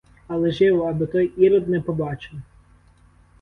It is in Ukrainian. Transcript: Але живо, аби той ірод не побачив!